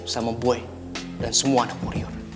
sama boy dan semua anak warrior